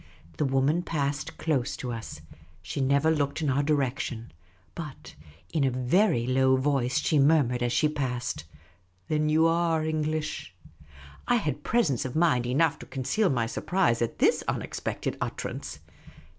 The woman passed close to us. She never looked in our The Unobtrusive Oasis 197 direction, but in a very low voice she niunnurecl, as she passed, " Then you are Kn^lish !" I had presence of mind enough to conceal my surprise at this unexpected utterance.